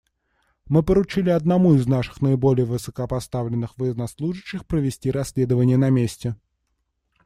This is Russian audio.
Мы поручили одному из наших наиболее высокопоставленных военнослужащих провести расследование на месте.